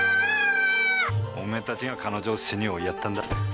おめえたちが彼女を死に追いやったんだ。